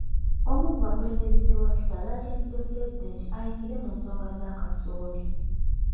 Omu ku bakulembeze b'e Wakiso alaajanidde Pulezidenti ayingire mu nsonga za kasooli.